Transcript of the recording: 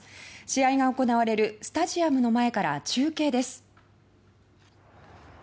試合が行われるスタジアム前から中継です。